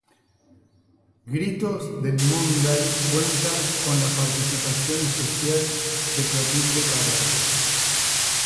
Gritos del Monday cuenta con la participación especial de Clotilde Cabral.